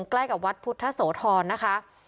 ใกล้กับวัดพุทธโสธรนะคะ